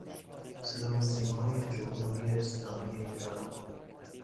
صدا و سیمای جمهوری اسلامی ایران.